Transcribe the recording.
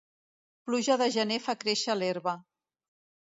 Pluja de gener fa créixer l'herba.